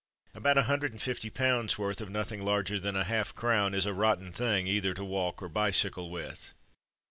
About a hundred and fifty pounds' worth of nothing larger than a half crown is a rotten thing either to walk or bicycle with.